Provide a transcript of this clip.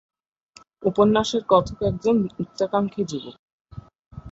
উপন্যাসের কথক একজন উচ্চাকাঙ্ক্ষী যুবক।